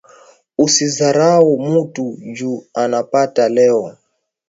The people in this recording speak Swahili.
Usi zarau mutu ju unapata leo